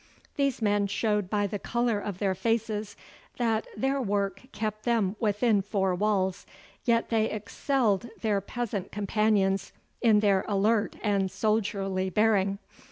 These men showed by the colour of their faces that their work kept them within four walls, yet they excelled their peasant companions in their alert and soldierly bearing.